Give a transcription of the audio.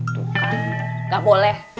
tuh kan gak boleh